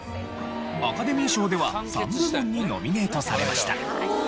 アカデミー賞では３部門にノミネートされました。